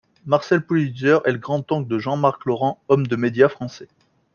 Marcel Pollitzer est le grand-oncle de Jean-Marc Laurent, homme de média français.